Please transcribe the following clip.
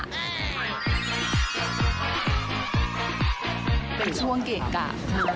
ใช่เป็นช่วงเก๋กกับลูกหลัง